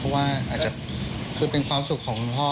เพราะว่าอาจจะคือเป็นความสุขของคุณพ่อ